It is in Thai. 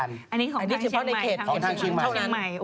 อันนี้เฉพาะไดเคจทางชั่งมันเท่านั้น